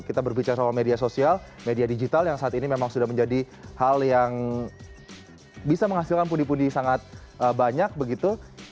kita berbicara soal media sosial media digital yang saat ini memang sudah menjadi hal yang bisa menghasilkan pundi pundi sangat banyak begitu